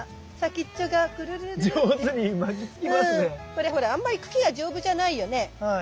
これほらあんまり茎が丈夫じゃないよね。